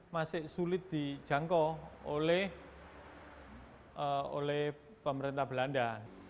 masih sulit dijangkau oleh pemerintah belanda